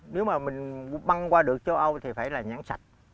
nếu mà mình băng qua được châu âu thì phải là nhãn sạch